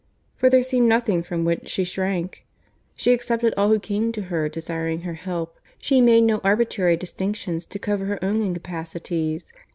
For there seemed nothing from which she shrank. She accepted all who came to her desiring her help; she made no arbitrary distinctions to cover her own incapacities.